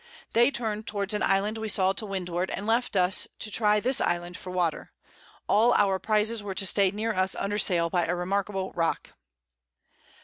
They turn'd towards an Island we saw to Windward, and left us to try this Island for Water: All our Prizes were to stay near us under Sail by a remarkable Rock.